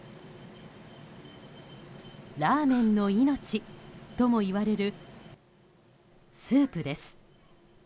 ラーメンの命ともいわれるスープです。